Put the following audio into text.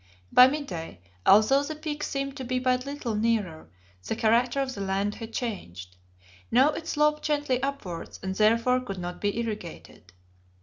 By mid day, although the peak seemed to be but little nearer, the character of the land had changed. Now it sloped gently upwards, and therefore could not be irrigated.